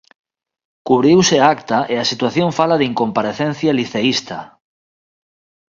Cubriuse a acta e a situación fala de incomparecencia liceísta.